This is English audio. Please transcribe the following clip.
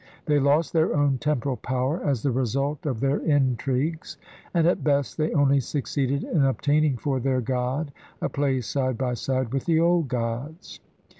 They lost their own temporal power as the result of their intrigues, and at best they only succeeded in obtaining for their god a place side by side with the old gods.